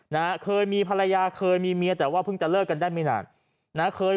นะฮะเคยมีภรรยาเคยมีเมียแต่ว่าเพิ่งจะเลิกกันได้ไม่นานนะเคย